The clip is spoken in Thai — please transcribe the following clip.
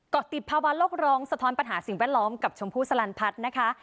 ติดภาวะโลกร้องสะท้อนปัญหาสิ่งแวดล้อมกับชมพู่สลันพัฒน์นะคะ